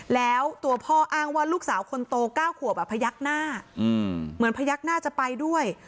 แล้วตัวพ่ออ้างว่าลูกสาวคนโต๙ขวบพยักหน้าเหมือนพยักหน้าจะไปด้วย